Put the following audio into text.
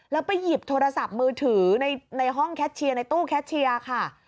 แล้วไปหยิบโทรศัพท์มือถือในห้องแคชเชียร์ในตู้แคชเชียร์ค่ะ